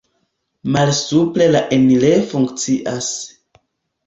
Malsupre la enirejo funkcias.